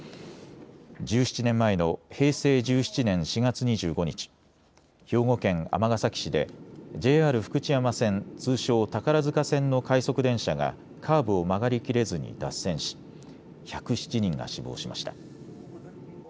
１７年前の平成１７年４月２５日、兵庫県尼崎市でＪＲ福知山線、通称、宝塚線の快速電車がカーブを曲がりきれずに脱線し１０７人が死亡しました。